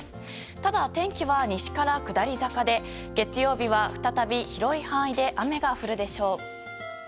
ただ、天気は西から下り坂で月曜日は再び広い範囲で雨が降るでしょう。